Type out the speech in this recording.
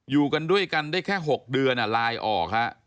อยู่กันด้วยกันได้แค่๖เดือนลายออกฮะ